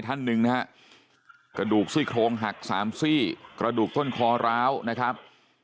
หากสามซี่กระดูกต้นคอราวนะครับ